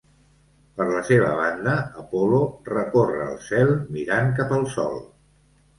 Per la seva banda Apol·lo, recorre el cel mirant cap al sol.